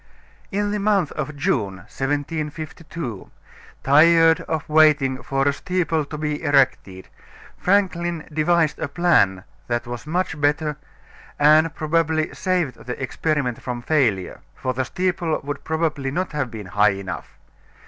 In the month of June, 1752, tired of waiting for a steeple to be erected, Franklin devised a plan that was much better and probably saved the experiment from failure; for the steeple would probably not have been high enough.